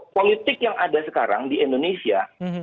politik yang ada sekarang di indonesia